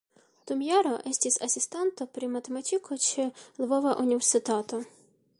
Dum jaro estis asistanto pri matematiko ĉe Lvova Universitato.